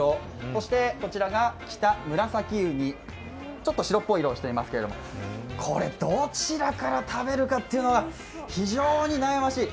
そしてこちらがキタムラサキウニちょっと白っぽい色をしてますけどこれどちらから食べるかというのは非常に悩ましい。